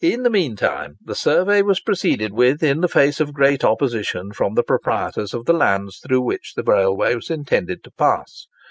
In the mean time the survey was proceeded with, in the face of great opposition from the proprietors of the lands through which the railway was intended to pass.